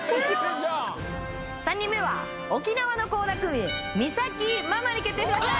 ３人目は沖縄の倖田來未美咲ママに決定しました！